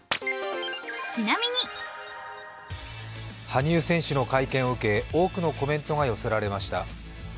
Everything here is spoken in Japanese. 羽生選手の会見を受け多くのコメントが寄せられました。